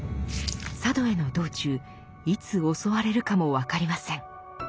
佐渡への道中いつ襲われるかも分かりません。